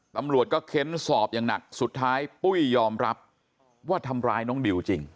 ตำรวจก็เค้นสอบอย่างหนักสุดท้ายปุ้ยยอมรับว่าทำร้ายน้องดิวจริง